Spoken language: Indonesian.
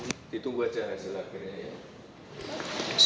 gibran menyebut akan merangkul lawan politiknya di pilpres